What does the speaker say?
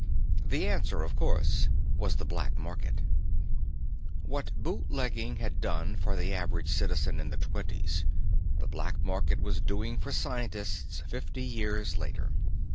The answer, of course, was the black market. What bootlegging had done for the average citizen in the Twenties, the black market was doing for scientists fifty years later.